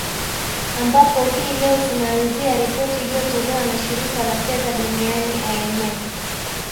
ambapo hii leo tunaanzia ripoti iliyotolewa na shirika la fedha duniani imf